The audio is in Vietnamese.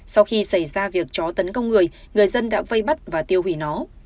sau khi xảy ra việc chó tấn công người người dân đã vây bắt và tiêu hủy nó